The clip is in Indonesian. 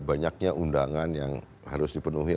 banyaknya undangan yang harus dipenuhi